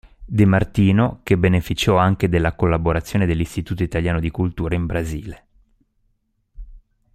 De Martino", che beneficiò anche della collaborazione dell’Istituto italiano di cultura in Brasile.